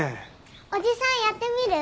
おじさんやってみる？